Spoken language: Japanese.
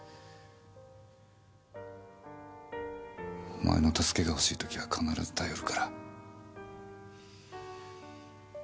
お前の助けが欲しい時は必ず頼るから。